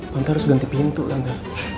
tante harus ganti pintu tante